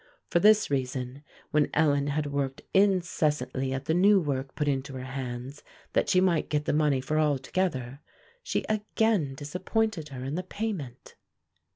For this reason, when Ellen had worked incessantly at the new work put into her hands, that she might get the money for all together, she again disappointed her in the payment.